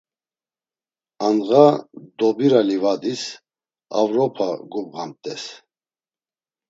Andğa Dobira livadis avropa gubğamt̆es.